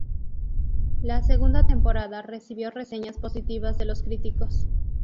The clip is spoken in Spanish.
La segunda temporada recibió reseñas positivas de los críticos.